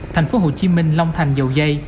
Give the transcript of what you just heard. thành phố hồ chí minh long thành dầu dây